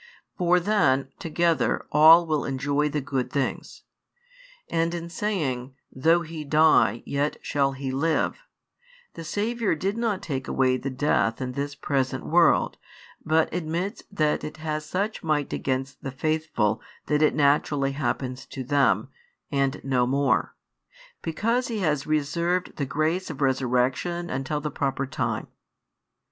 For then, together, all will enjoy the good things. And in saying: Though he die, yet shall he live, the Saviour did not take away the death in this present world: but admits that it has such might against the faithful that it naturally happens to them, and no more; because He has reserved the grace of resurrection until the proper time.